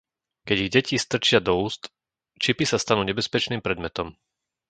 Keď ich deti strčia do úst, čipy sa stanú nebezpečným predmetom.